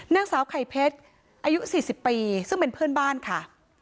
นางสาวไข่เพชรอายุ๔๐ปีซึ่งเป็นเพื่อนบ้านค่ะ